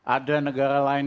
ada negara lain